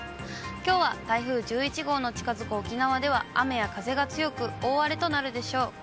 きょうは台風１１号の近づく沖縄では、雨や風が強く、大荒れとなるでしょう。